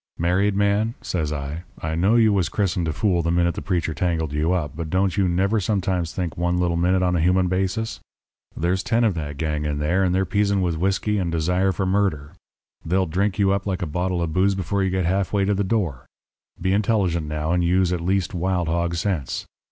"'Married man,' says I, 'I know you was christened a fool the minute the preacher tangled you up, but don't you never sometimes think one little think on a human basis? There's ten of that gang in there, and they're pizen with whisky and desire for murder. They'll drink you up like a bottle of booze before you get half way to the door. Be intelligent, now, and use at least wild hog sense.